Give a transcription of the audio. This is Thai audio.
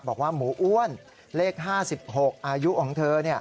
บอกว่าหมูอ้วนเลข๕๖อายุของเธอ